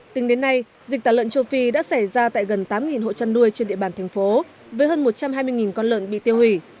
tính đến nay dịch tả lợn châu phi đã xảy ra tại gần tám hộ chăn nuôi trên địa bàn thành phố với hơn một trăm hai mươi con lợn bị tiêu hủy